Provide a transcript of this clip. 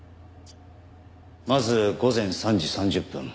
まず午前３時３０分